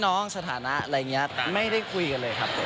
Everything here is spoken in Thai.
ซึ่งเจ้าตัวก็ยอมรับว่าเออก็คงจะเลี่ยงไม่ได้หรอกที่จะถูกมองว่าจับปลาสองมือ